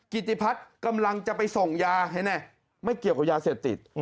กิติพัฒน์กำลังจะไปส่งยาเห็นไหมไม่เกี่ยวกับยาเสพติด